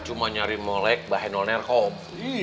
cuma nyari molek bahenol nerkom